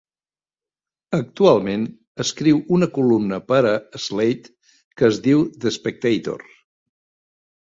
Actualment escriu una columna per a "Slate" que es diu "The Spectator".